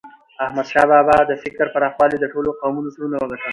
احمدشاه بابا د فکر پراخوالي د ټولو قومونو زړونه وګټل.